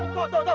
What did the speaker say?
tuh tuh tuh